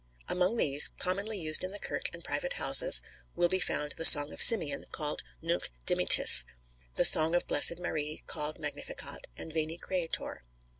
Among these, "commonly used in the Kirke and private houses," will be found "The Song of Simeon, called Nunc Dimittis," "The Song of Blessed Marie, called Magnificat," and Veni, Creator.